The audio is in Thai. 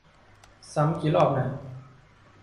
ซ้ำคำกี่รอบน่ะ